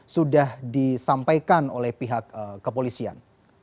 sudah disampaikan oleh pihak kepolisian